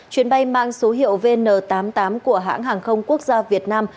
chuyến bay mang số hiệu vn tám mươi tám của hãng hàng không quốc gia việt nam